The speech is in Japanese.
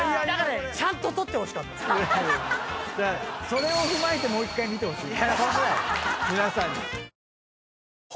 それを踏まえてもう１回見てほしい。